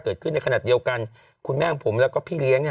เกิดขึ้นในขณะเดียวกันคุณแม่ของผมแล้วก็พี่เลี้ยง